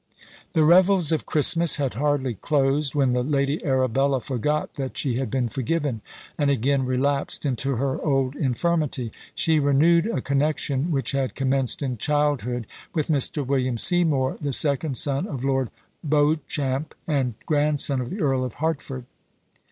" The revels of Christmas had hardly closed when the Lady Arabella forgot that she had been forgiven, and again relapsed into her old infirmity. She renewed a connexion, which had commenced in childhood, with Mr. William Seymour, the second son of Lord Beauchamp, and grandson of the Earl of Hertford.